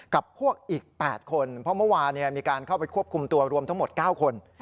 กับพวกอีก๘คนเพราะเมื่อวานมีการเข้าไปควบคุมตัวรวมทั้งหมด๙คน